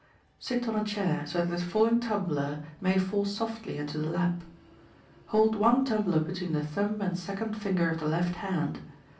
Sit on a chair, so that the falling tumbler may fall softly into the lap. Hold one tumbler between the thumb and second finger of the left hand.